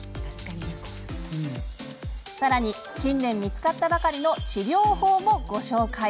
更に近年見つかったばかりの治療法もご紹介。